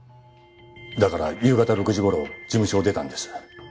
だから夕方６時頃事務所を出たんです。